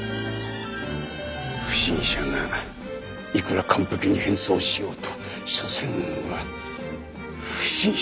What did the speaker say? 不審者がいくら完璧に変装しようと所詮は不審者だ。